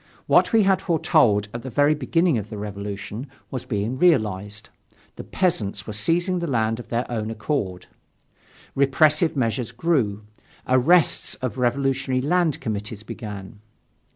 What we had foretold at the very beginning of the Revolution, was being realized: the peasants were seizing the land of their own accord. Repressive measures grew, arrests of revolutionary land committees began.